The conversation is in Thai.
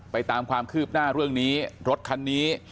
ตามความคืบหน้าเรื่องนี้รถคันนี้